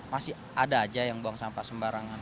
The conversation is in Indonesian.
masih ada aja yang buang sampah sembarangan